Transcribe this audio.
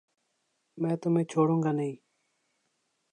میں تمہیں چھوڑوں گانہیں